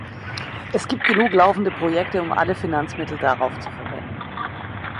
Es gibt genug laufende Projekte, um alle Finanzmittel darauf zu verwenden.